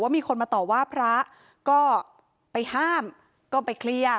มีคนมาต่อว่าพระก็ไปห้ามก็ไปเคลียร์